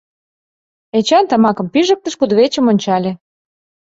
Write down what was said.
Эчан тамакым пижыктыш, кудывечым ончале.